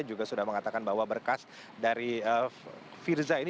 juga sudah mengatakan bahwa berkas dari firza ini